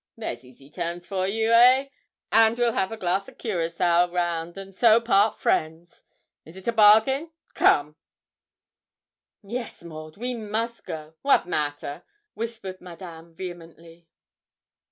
There's easy terms for you, eh, and we'll have a glass o' curaçoa round, and so part friends. Is it a bargain? Come!' 'Yes, Maud, we must go wat matter?' whispered Madame vehemently.